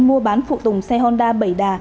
mua bán phụ tùng xe honda bảy đà